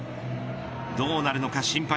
どうなるのか心配。